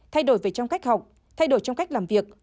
thay đổi về trong cách học thay đổi trong cách làm việc